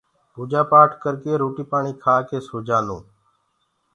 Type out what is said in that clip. روٽيٚ پاڻيٚ ڪر ڪي اور پوٚجا پاٽ ڪر ڪي۔